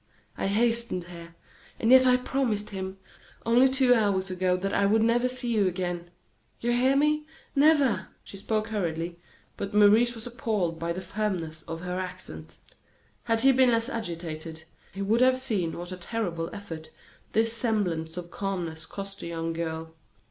I hastened here. And yet I promised him, only two hours ago, that I would never see you again. You hear me never!" She spoke hurriedly, but Maurice was appalled by the firmness of her accent. Had he been less agitated, he would have seen what a terrible effort this semblance of calmness cost the young girl.